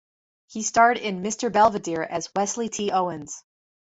He starred in "Mr. Belvedere" as Wesley T. Owens.